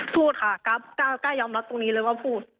พูดค่ะกล้ายอมรับตรงนี้เลยว่าพูด